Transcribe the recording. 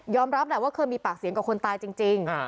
รับแหละว่าเคยมีปากเสียงกับคนตายจริง